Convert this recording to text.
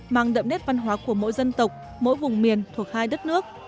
mang đậm nét văn hóa của mỗi dân tộc mỗi vùng miền thuộc hai đất nước